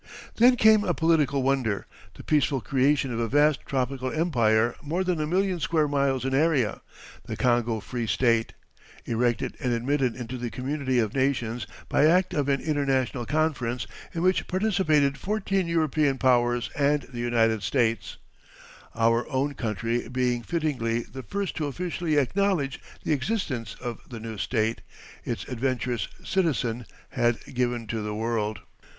Then came a political wonder the peaceful creation of a vast tropical empire more than a million square miles in area, the Congo Free State, erected and admitted into the community of nations by act of an international conference, in which participated fourteen European powers and the United States, our own country being fittingly the first to officially acknowledge the existence of the new state its adventurous citizen had given to the world.